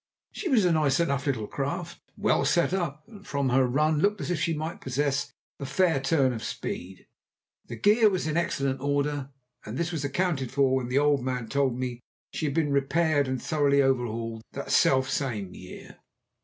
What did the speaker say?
She was a nice enough little craft, well set up, and from her run looked as if she might possess a fair turn of speed; the gear was in excellent order, and this was accounted for when the old man told me she had been repaired and thoroughly overhauled that selfsame year.